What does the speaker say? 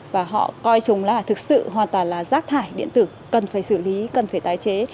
và họ coi chúng là thực sự hoàn toàn là rác thải điện tử cần phải xử lý cần phải tái chế